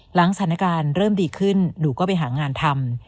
หลังสถานการณ์เริ่มดีขึ้นหนูก็ไปหางานทำ